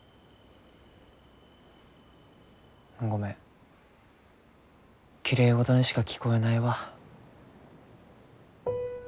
ごめんきれいごどにしか聞こえないわ。